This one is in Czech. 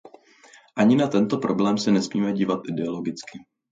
Ani na tento problém se nesmíme dívat ideologicky.